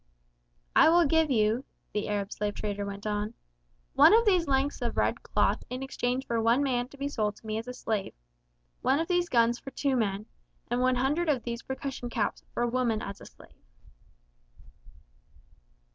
"I will give you," the Arab slave trader went on, "one of these lengths of red cloth in exchange for one man to be sold to me as a slave; one of these guns for two men; and one hundred of these percussion caps for a woman as a slave."